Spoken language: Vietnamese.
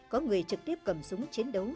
có người trực tiếp cầm súng chiến đấu